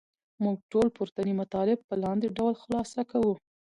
موږ ټول پورتني مطالب په لاندې ډول خلاصه کوو.